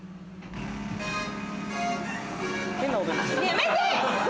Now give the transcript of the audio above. やめて！